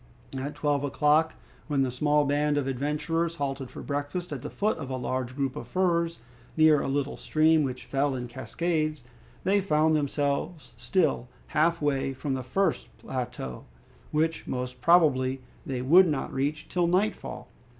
At twelve o'clock, when the small band of adventurers halted for breakfast at the foot of a large group of firs, near a little stream which fell in cascades, they found themselves still half way from the first plateau, which most probably they would not reach till nightfall.